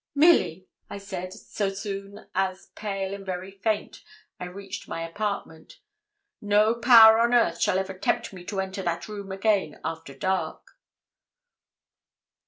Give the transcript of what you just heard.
'Milly,' I said, so soon as, pale and very faint, I reached my apartment, 'no power on earth shall ever tempt me to enter that room again after dark.'